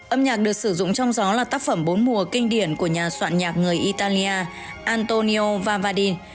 âm nhạc được sử dụng trong gió là tác phẩm bốn mùa kinh điển của nhà soạn nhạc người italia antonio vavadin